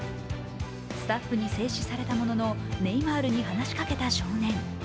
スタッフに制止されたもののネイマールに話しかけた少年。